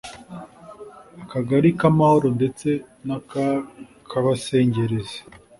Akagali k’Amahoro ndetse n’aka Kabasengerezi